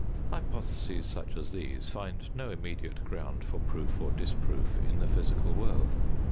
Hypotheses such as these find no immediate ground for proof or disproof in the physical world.